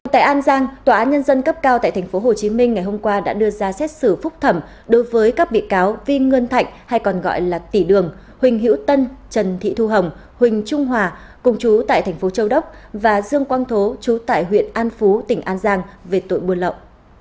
tại an giang tòa án nhân dân cấp cao tại tp hcm ngày hôm qua đã đưa ra xét xử phúc thẩm đối với các bị cáo vi ngân thạnh hay còn gọi là tỷ đường huỳnh hữu tân trần thị thu hồng huỳnh trung hòa cùng chú tại thành phố châu đốc và dương quang thố trú tại huyện an phú tỉnh an giang về tội buôn lậu